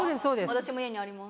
私も家にあります。